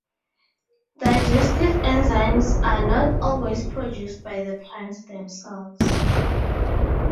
Digestive enzymes are not always produced by the plants themselves.